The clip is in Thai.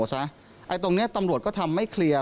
ตรงนี้ตำรวจก็ทำไม่เคลียร์